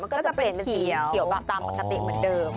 ก็จะเปลี่ยนเป็นสีเขียวแบบตามปกติเหมือนเดิม